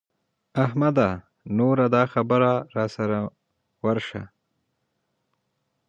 احمده! نور دا خبره مه را سره ورېشه.